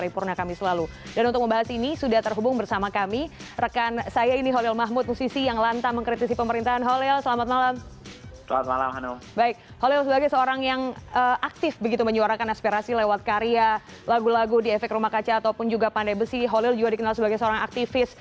pada hari ini juga pandai besi holil juga dikenal sebagai seorang aktivis